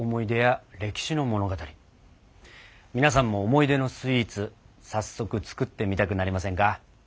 皆さんも思い出のスイーツ早速作ってみたくなりませんか？